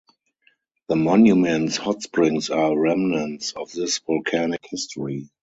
The Monument's hot springs are remnants of this volcanic history.